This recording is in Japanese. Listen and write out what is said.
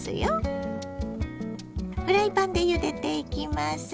フライパンでゆでていきます。